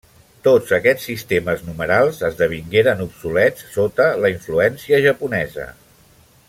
Tots aquests sistemes numerals esdevingueren obsolets sota la influència japonesa.